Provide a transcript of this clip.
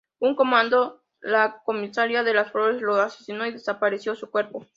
Un comando la Comisaría de Las Flores lo asesinó y desaparecieron su cuerpo.